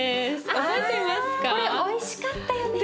これおいしかったよね。